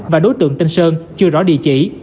và đối tượng tinh sơn chưa rõ địa chỉ